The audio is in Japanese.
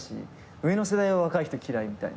上の世代は若い人嫌いみたいな。